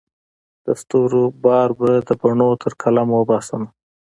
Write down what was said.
د ستورو بار به د بڼو تر قلم وباسمه